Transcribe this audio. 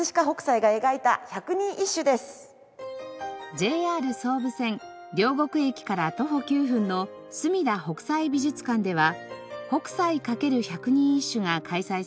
ＪＲ総武線両国駅から徒歩９分のすみだ北斎美術館では「北斎かける百人一首」が開催されています。